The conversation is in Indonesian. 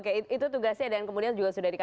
oke itu tugasnya dan kemudian juga sudah dikatakan